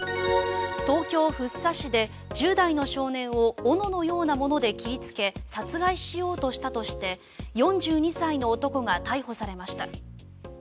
東京・福生市で１０代の少年を斧のようなもので切りつけ殺害しようとしたとして４２歳の男が逮捕されました。